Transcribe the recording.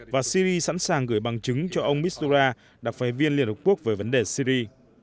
và syri sẵn sàng gửi bằng chứng cho ông mitsura đặc phái viên liên hợp quốc về vấn đề syri